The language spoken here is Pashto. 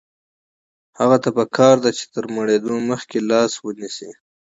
هغه ته پکار ده چې تر مړېدو مخکې لاس ونیسي.